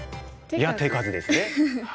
いや手数ですね。